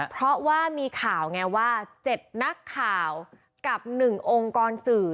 เพราะว่ามีข่าวไงว่า๗นักข่าวกับ๑องค์กรสื่อ